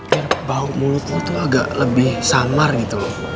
biar bau mulut lo tuh agak lebih samar gitu loh